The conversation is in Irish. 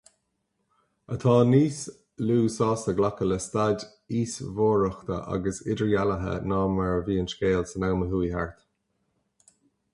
Atá níos lú sásta glacadh le staid íosmhóireachta agus idirdhealaithe ná mar a bhí an scéal san am a chuaigh thart.